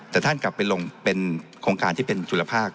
แต่ท่านกลับไปลงเป็นโครงการที่เป็นจุลภาค